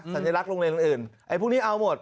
สัญลักษณ์โรงเรียนอื่นไอ้พวกนี้เอาหมด